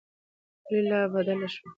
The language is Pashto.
ولې لار بدله شوه؟